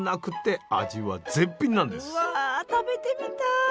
うわ食べてみたい！